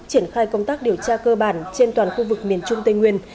triển khai công tác điều tra cơ bản trên toàn khu vực miền trung tây nguyên